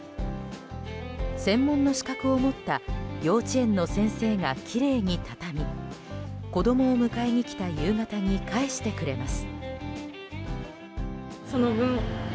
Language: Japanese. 専門の資格を持った幼稚園の先生がきれいに畳み子供を迎えに来た夕方に返してくれます。